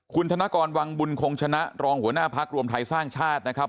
คุณธนกรวังบุญคงชนะรองหัวหน้าพักรวมไทยสร้างชาตินะครับ